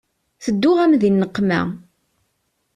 Tedduɣ-am di nneqma.